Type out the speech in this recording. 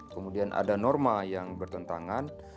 kemudian ada norma yang bertentangan